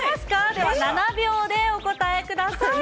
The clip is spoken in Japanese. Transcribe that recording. では７秒でお答えください。